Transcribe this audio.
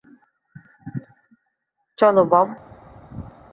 চলো, বব।